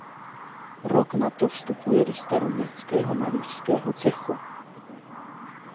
Rok nato vstupuje do staroměstského malířského cechu.